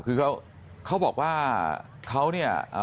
คือเขาบอกว่าเขาเนี่ย